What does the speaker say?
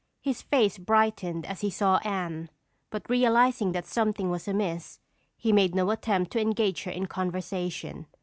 His face brightened as he saw Anne, but realizing that something was amiss, he made no attempt to engage her in conversation.